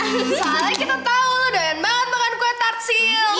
soalnya kita tahu lo doyan banget makan kue tart sisil